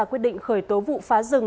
xin chào quý vị và các bạn